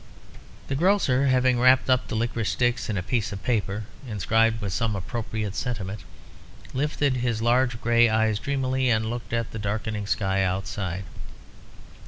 The grocer, having wrapped up the liquorice sticks in a piece of paper (inscribed with some appropriate sentiment), lifted his large grey eyes dreamily, and looked at the darkening sky outside.